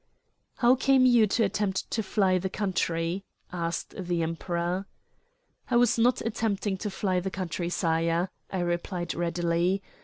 "How came you to attempt to fly the country?" asked the Emperor. "I was not attempting to fly the country, sire," I replied readily.